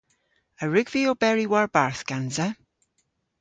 A wrug vy oberi war-barth gansa?